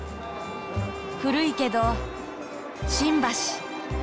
古いけど新橋。